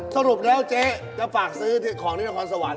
สรุปแล้วเจ๊จะฝากซื้อของที่นครสวรรค